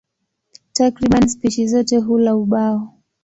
Takriban spishi zote hula ubao.